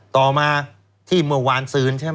ต่อมาที่เมื่อวานซืนใช่ไหม